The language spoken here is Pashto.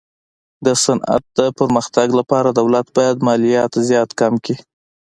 د صنعت د پرمختګ لپاره دولت باید مالیات زیات کم کي.